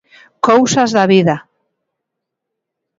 Cousas da vida.